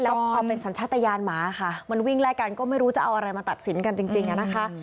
แล้วพอเป็นสัญชาติยานหมาค่ะมันวิ่งไล่กันก็ไม่รู้จะเอาอะไรมาตัดสินกันจริงอะนะคะ